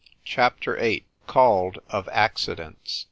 CHAPTER VIII. CALLED "OF ACCIDENTS."